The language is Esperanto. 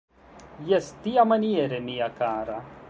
Jes, tiamaniere, mia kara!